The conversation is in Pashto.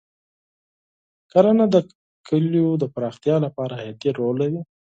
کرنه د کلیو د پراختیا لپاره حیاتي رول لري.